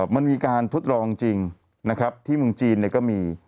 มันมีการทดลองจริงนะครับที่เมืองจีนก็มี